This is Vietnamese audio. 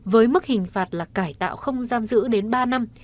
với mức hình phạt là cải tạo không giam giữ đến ba năm